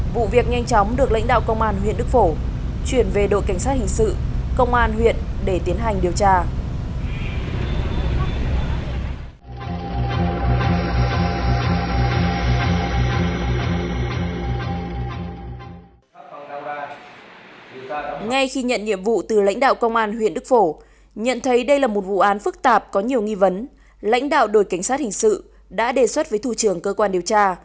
vụ việc nhanh chóng được lãnh đạo công an huyện đức phổ chuyển về đội cảnh sát hình sự công an huyện để tiến hành điều tra